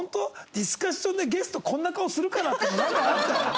ディスカッションでゲストこんな顔するかな？っていうのなんかあった。